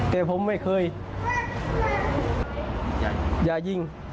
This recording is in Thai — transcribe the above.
แต่ผมไม่เคยอย่ายิง